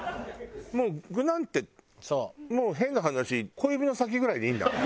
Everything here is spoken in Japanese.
もう具なんて変な話小指の先ぐらいでいいんだもん。